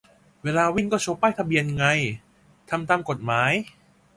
เวลาวิ่งก็โชว์ป้ายทะเบียนไง ทำตามกฎหมาย